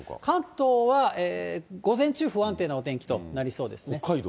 関東は午前中、不安定なお天気となりそうですね。